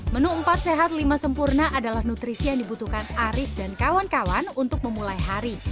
menu empat sehat lima sempurna adalah nutrisi yang dibutuhkan arief dan kawan kawan untuk memulai hari